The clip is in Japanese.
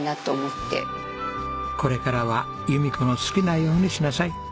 「これからは弓子の好きなようにしなさい」